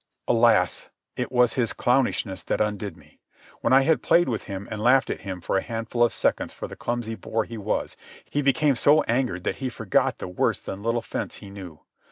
Alas! It was his clownishness that undid me. When I had played with him and laughed at him for a handful of seconds for the clumsy boor he was, he became so angered that he forgot the worse than little fence he knew.